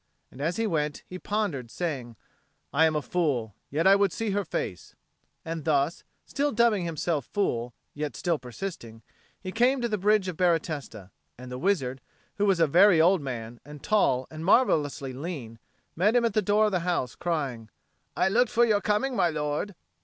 And as he went, he pondered, saying, "I am a fool, yet I would see her face;" and thus, still dubbing himself fool, yet still persisting, he came to the bridge of Baratesta; and the wizard, who was a very old man and tall and marvellously lean, met him at the door of the house, crying, "I looked for your coming, my lord."